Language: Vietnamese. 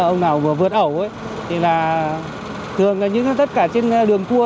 ông nào vừa vượt ẩu thì là thường tất cả trên đường cua